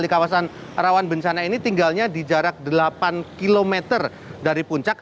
di kawasan rawan bencana ini tinggalnya di jarak delapan km dari puncak